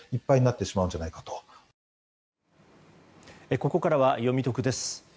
ここからはよみトクです。